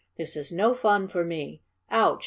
This is no fun for me! Ouch!